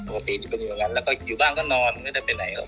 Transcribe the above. ปกติเป็นอย่างเงี้ยแล้วก็อยู่บ้านก็นอนไม่ได้ไปไหนอ่ะ